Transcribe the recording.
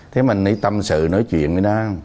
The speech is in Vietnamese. thế mình đi tâm sự nói chuyện với nó